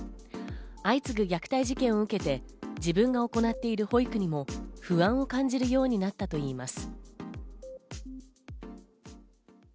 相次ぐ虐待事件を受けて自分が行っている保育にも不安を感じるようになったといいます。